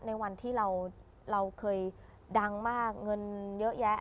ในวันที่เราเคยดังมากเงินเยอะแยะ